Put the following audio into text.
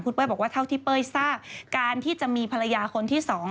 เป้ยบอกว่าเท่าที่เป้ยทราบการที่จะมีภรรยาคนที่๒